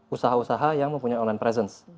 usaha usaha yang mempunyai online presence